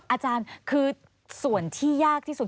อาจารย์คือส่วนที่ยากที่สุด